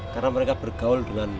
karena mereka bergaul dengan